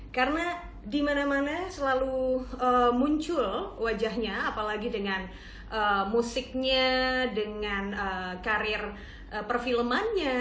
karena dimana mana selalu muncul wajahnya apalagi dengan musiknya dengan karir perfilmannya